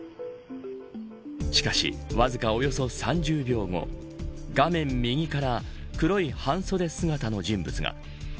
しかし、わずかおよそ３０秒後画面右から黒い半袖姿の人物が。